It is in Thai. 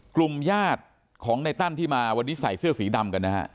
กลุ่มญาติของในตั้นที่มาวันนี้ใส่เสื้อสีดำกันนะฮะ